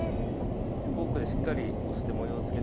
フォークでしっかり押して模様をつけて。